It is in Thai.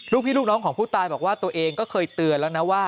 ลูกพี่ของผู้ตายบอกว่าตัวเองเคยเตือนแล้วนะว่า